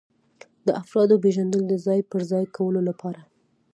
د افرادو پیژندل د ځای پر ځای کولو لپاره.